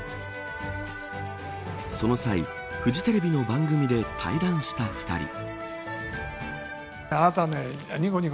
その際、フジテレビの番組で対談した２人。